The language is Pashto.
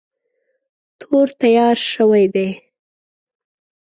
تور تیار شوی دی.